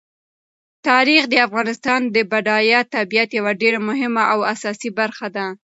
تاریخ د افغانستان د بډایه طبیعت یوه ډېره مهمه او اساسي برخه ده.